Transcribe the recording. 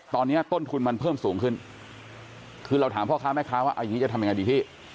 ตอนนี้ต้นทุนมันเพิ่มสูงขึ้นคือเราถามพ่อค้าแม่ค้าว่าเอาอย่างนี้จะทำยังไงดีพี่